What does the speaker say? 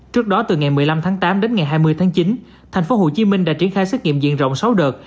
trước đó từ ngày một mươi năm tháng tám đến ngày hai mươi tháng chín tp hcm đã triển khai xét nghiệm diện rộng sáu đợt